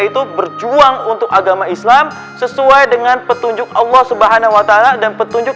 itu berjuang untuk agama islam sesuai dengan petunjuk allah subhanahu wa ta'ala dan petunjuk